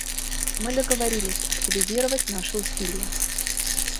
Мы договорились активизировать наши усилия.